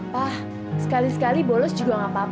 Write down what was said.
pak sekali sekali bolos juga gak apa apa kali